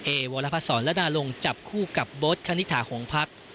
เอวรพสรรและนารงจับคู่กับบทคณิตหาของพักษ์